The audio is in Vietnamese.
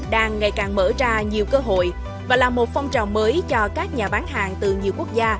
đang ngày càng mở ra nhiều cơ hội và là một phong trào mới cho các nhà bán hàng từ nhiều quốc gia